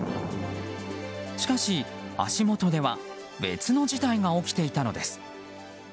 しかし、足元では別の事態が起きていたのです。